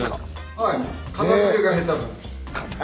はい。